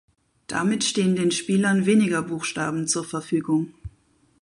Damit stehen den Spielern weniger Buchstaben zur Verfügung.